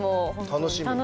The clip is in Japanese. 楽しみ。